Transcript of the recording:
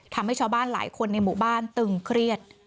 ทำให้ชาวบ้านหลายคนในหมู่บ้านตึงเครียด